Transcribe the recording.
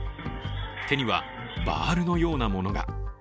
手にはバールのようなものが。